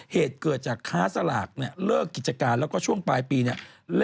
เหตุเกิดจากค้าสลากเนี่ยเลิกกิจการแล้วก็ช่วงปลายปีเนี่ย